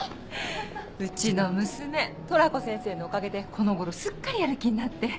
うちの娘トラコ先生のおかげでこの頃すっかりやる気になって。